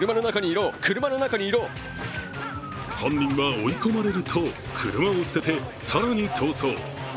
犯人は追い込まれると車を捨てて更に逃走。